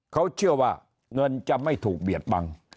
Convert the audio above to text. เขาเชื่อว่าเงินจะไม่ถูกเบียดบัง